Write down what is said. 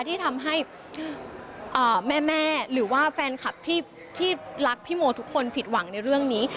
ที่ทำให้แม่หรือว่าแฟนคลับที่รักพี่โมทุกคนผิดหวังในเรื่องนี้